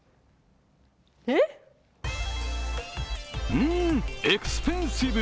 うーん、エクスペンシブ！